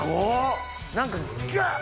何かギュっ！